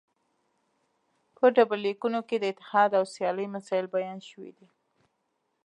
په ډبرلیکونو کې د اتحاد او سیالۍ مسایل بیان شوي دي